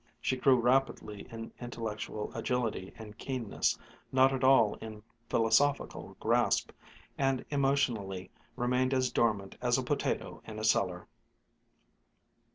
She grew rapidly in intellectual agility and keenness, not at all in philosophical grasp, and emotionally remained as dormant as a potato in a cellar.